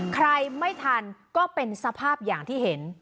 ใครไม่ทันก็เป็นสภาพอย่างที่เห็น